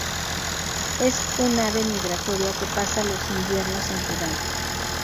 Es un ave migratoria que pasa los inviernos en Sudán.